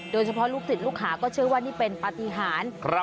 โดยเฉพาะลูกศิษย์ลูกหาก็เชื่อว่านี่เป็นปฏิหารครับ